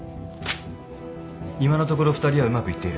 今のところ２人はうまくいっている。